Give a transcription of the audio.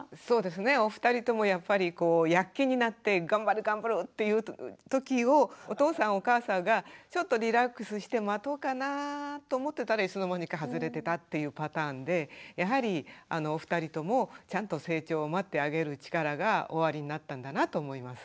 お二人ともやっぱり躍起になって頑張る頑張るというときをお父さんお母さんがちょっとリラックスして待とうかなと思ってたらいつの間にか外れてたっていうパターンでやはりお二人ともちゃんと成長を待ってあげる力がおありになったんだなと思います。